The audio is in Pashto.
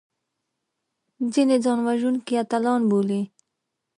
ځینې ځانوژونکي اتلان بولي